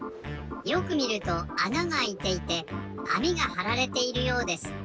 よくみるとあながあいていてあみがはられているようです。